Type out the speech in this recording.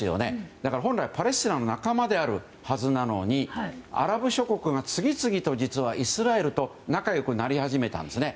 だから本来パレスチナの仲間であるはずなのにアラブ諸国が次々とイスラエルと仲良くなり始めたんですね。